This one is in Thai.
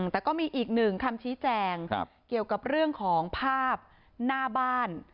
แต่ก็มีอีกหนึ่งคำชี้แจงเกี่ยวกับเรื่องของภาพหน้าบ้าน